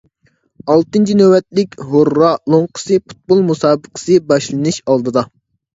ئالتىنچى نۆۋەتلىك «ھۇررا» لوڭقىسى پۇتبول مۇسابىقىسى باشلىنىش ئالدىدا.